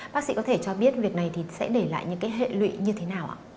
bác sĩ có thể cho biết việc này sẽ để lại những hệ lụy như thế nào ạ